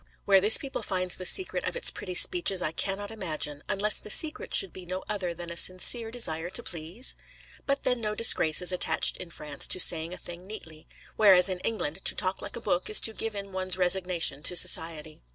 Where this people finds the secret of its pretty speeches, I cannot imagine; unless the secret should be no other than a sincere desire to please? But then no disgrace is attached in France to saying a thing neatly; whereas in England, to talk like a book is to give in one's resignation to society.